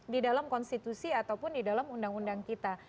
di dalam konstitusi ataupun di dalam undang undang kita